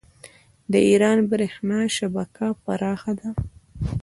د ایران بریښنا شبکه پراخه ده.